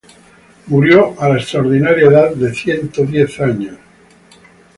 Murió a la extraordinaria edad de ciento diez años.